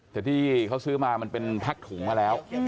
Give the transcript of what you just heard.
แต่ที่เขาซื้อมามันเป็นแพ็คถุงมาแล้ว